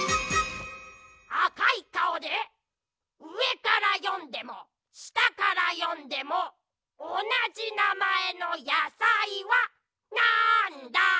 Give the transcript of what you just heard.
あかいかおでうえからよんでもしたからよんでもおなじなまえのやさいはなんだ？